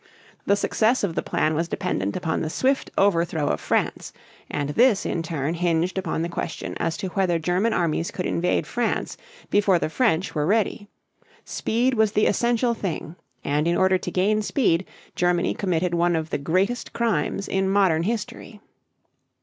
The success of the plan was dependent upon the swift overthrow of France; and this in turn hinged upon the question as to whether German armies could invade France before the French were ready. Speed was the essential thing, and in order to gain speed Germany committed one of the greatest crimes in modern history.